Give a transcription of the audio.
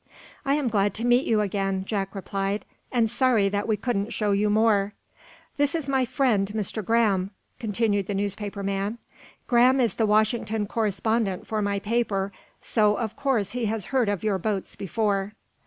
"I am glad to meet you again," Jack replied, "and sorry that we couldn't show you more." "This is my friend, Mr. Graham," continued the newspaper man. "Graham is the Washington correspondent for my paper, so of course he has heard of your boats before."